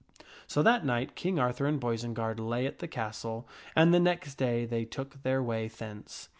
So that night King Arthur and Boisenard lay at the castle, and the next day they took their way thence.